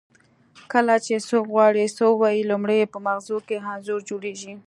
کله چې څوک غواړي څه ووایي لومړی یې په مغزو کې انځور جوړیږي